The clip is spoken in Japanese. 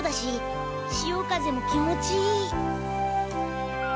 お風も気持ちいい。